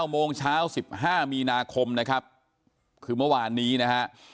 ๙โมงเช้า๑๕มีนะครับคือเมื่อวานนี้นะครับ